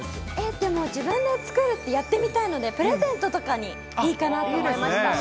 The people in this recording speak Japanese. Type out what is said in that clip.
でも自分で作るってやってみたいので、プレゼントとかにいいかなと思いました。